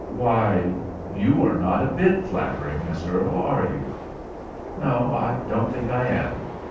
"Why, you are not a bit flattering, Miss Earle, are you?" "No, I don't think I am.